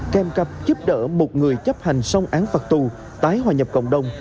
kèm cặp giúp đỡ một người chấp hành xong án phạt tù tái hòa nhập cộng đồng